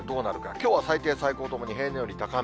きょうは最高、最低ともに平年より高め。